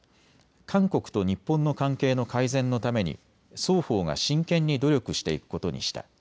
韓国と日本の関係の改善のために双方が真剣に努力していくことにした。